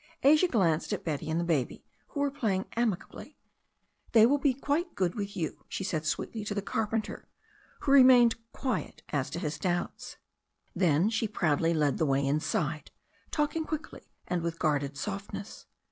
Asia glanced at Betty and the baby, who were playing amicably. "They will be quite good with you," she said sweetly to the carpenter, who remained quiet as to his doubts. Then she proudly led the way inside, talking quickly and with guarded softness.